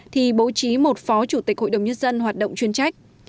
thì bố trí một phó chủ tịch hội đồng nhân dân hoạt động chuyên trách